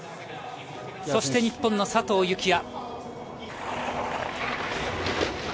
そして日本の佐藤幸椰。